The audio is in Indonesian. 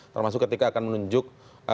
termasuk ketika akan menunjuk